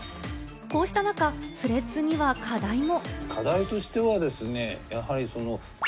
こうした中、スレッズには課題も。